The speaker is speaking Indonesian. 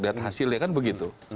lihat hasilnya kan begitu